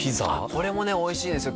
これもねおいしいんですよ